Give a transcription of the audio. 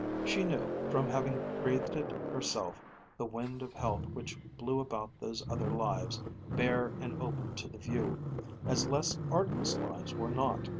She knew, from having breathed it herself, the wind of health which blew about those other lives, bare and open to the view, as less artless lives were not.